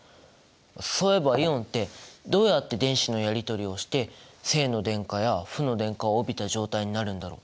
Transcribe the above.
そういえばイオンってどうやって電子のやりとりをして正の電荷や負の電荷を帯びた状態になるんだろう？